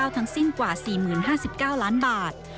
ทั้งสิ้นกว่า๔๐๕๙ล้านบาท